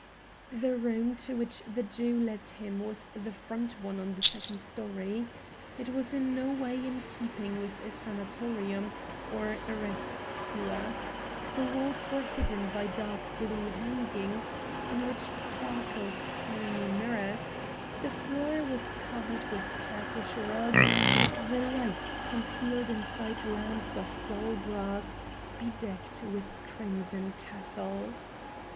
The room to which the Jew led him was the front one on the second story. It was in no way in keeping with a sanatorium, or a rest cure. The walls were hidden by dark blue hangings, in which sparkled tiny mirrors, the floor was covered with Turkish rugs, the lights concealed inside lamps of dull brass bedecked with crimson tassels.